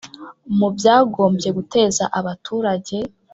Mu byagombye guteza abaturage